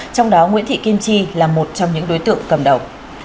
trong đó nguyễn thị kim chi là một trong những đối tượng cầm đầu